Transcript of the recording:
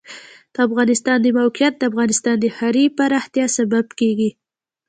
د افغانستان د موقعیت د افغانستان د ښاري پراختیا سبب کېږي.